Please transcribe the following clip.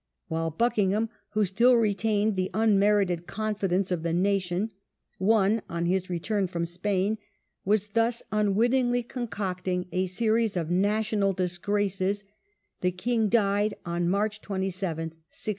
While Buckingham, who still retained the unmerited con fidence of the nation (won on his return from Spain), was thus unwittingly concocting a series of national disgraces, the king died on March 27th, 1625.